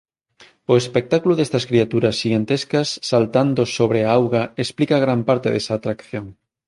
O espectáculo destas criaturas xigantescas saltando sobre a auga explica gran parte desa atracción.